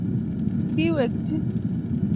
Kiwekchi